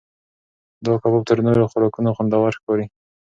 دا کباب تر نورو خوراکونو خوندور ښکاري.